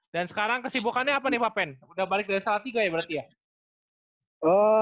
dan sekarang kesibukannya apa nih pak pen udah balik dari salah tiga ya berarti ya